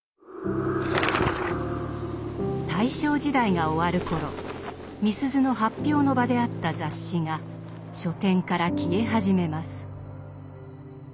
大正時代が終わる頃みすゞの発表の場であった雑誌が書店から消え始めます。